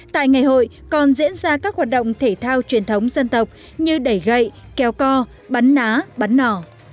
tại ngày hội còn diễn ra các hoạt động thể thao truyền thống dân tộc như đẩy gậy kéo co bắn ná bắn nỏ